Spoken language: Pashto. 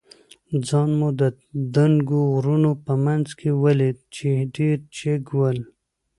ځان مو د دنګو غرونو په منځ کې ولید، چې ډېر جګ ول.